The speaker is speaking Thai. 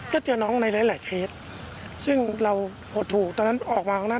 ก็เจอน้องในหลายหลายเคสซึ่งเราหดหูตอนนั้นออกมาข้างหน้า